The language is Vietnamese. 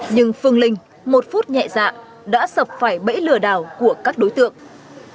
nhưng phương linh một phút nhẹ dạ đã sập phải bẫy lừa đảo của các đối tượng